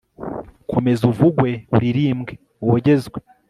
komeza uvugwe uririmbwe, wogezwe